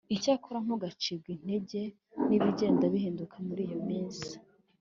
Icyakora ntugacibwe intege n ibigenda bihinduka muri iyo minsi